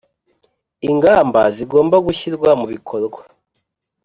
ingamba zigomba gushyirwa mu bikorwa